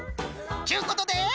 ちゅうことで！